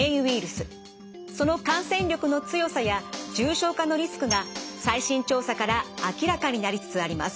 その感染力の強さや重症化のリスクが最新調査から明らかになりつつあります。